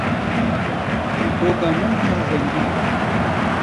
Goga min pir rengîn e.